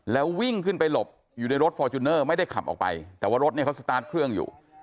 แล้ววิ่งขึ้นไปหลบอยู่ในรถฟอร์จูเนอร์ไม่ได้ขับออกไปแต่ว่ารถเนี่ยเขาสตาร์ทเครื่องอยู่